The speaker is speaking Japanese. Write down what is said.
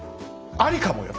ありかもよ！